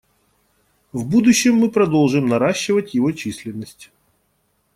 В будущем мы продолжим наращивать его численность.